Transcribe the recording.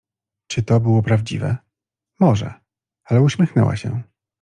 Czy to było prawdziwe? Mo że, ale uśmiechnęła się.